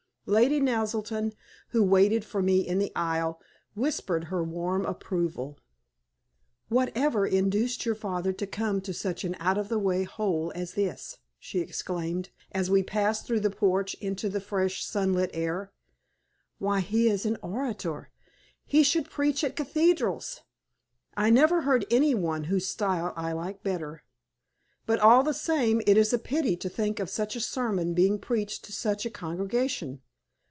Lady Naselton, who waited for me in the aisle, whispered her warm approval. "Whatever induced your father to come to such an out of the way hole as this?" she exclaimed, as we passed through the porch into the fresh, sunlit air. "Why, he is an orator! He should preach at cathedrals! I never heard any one whose style I like better. But all the same it is a pity to think of such a sermon being preached to such a congregation.